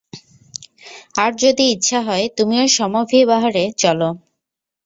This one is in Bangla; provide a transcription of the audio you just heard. আর যদি ইচ্ছা হয় তুমিও সমভিব্যাহারে চল।